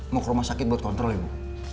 mau ke rumah sakit buat kontrol ya bu